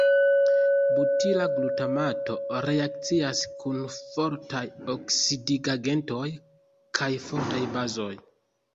Butila glutamato reakcias kun fortaj oksidigagentoj kaj fortaj bazoj.